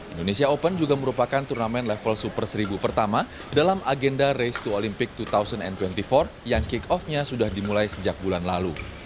indonesia open juga merupakan turnamen level super seribu pertama dalam agenda race to olympic dua ribu dua puluh empat yang kick off nya sudah dimulai sejak bulan lalu